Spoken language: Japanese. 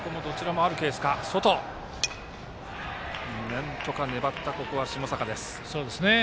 なんとか粘った下坂。